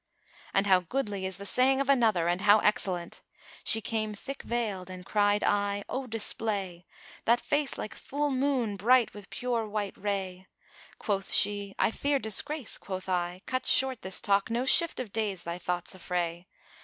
And how goodly is the saying of another and how excellent, "She came thick veiled, and cried I, 'O display * That face like full moon bright with pure white ray.' Quoth she, 'I fear disgrace,' quoth I, 'Cut short * This talk, no shift of days thy thoughts affray.'